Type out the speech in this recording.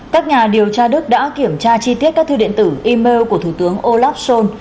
các nhà điều tra đức đã kiểm tra chi tiết các thư điện tử email của thủ tướng olaf schol